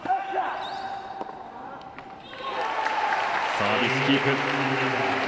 サービスキープ。